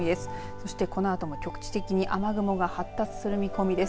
そしてこのあとも局地的に雨雲が発達する見込みです。